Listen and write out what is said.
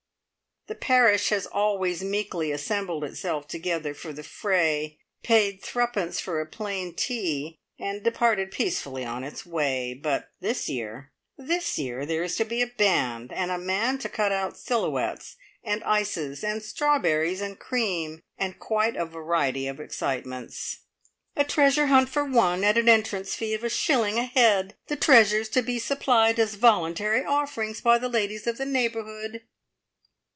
The parish has always meekly assembled itself together for the fray, paid threepence for a plain tea, and departed peacefully on its way; but this year this year, there is to be a band, and a man to cut out silhouettes, and ices, and strawberries and cream, and quite a variety of excitements. "A treasure hunt for one, at an entrance fee of a shilling a head. The treasures to be supplied as voluntary offerings by the ladies of the neighbourhood."